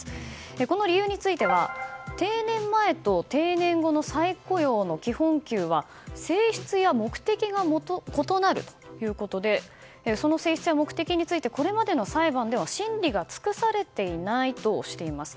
この理由については、定年前と定年後の再雇用の基本給は性質や目的が異なるということでその性質や目的についてこれまでの裁判では審理が尽くされていないとしています。